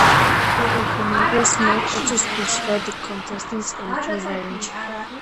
The organisers may also specify the contestants' age range.